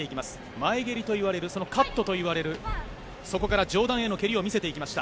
前蹴りといわれるカットといわれるそこから上段への蹴りを見せていきました。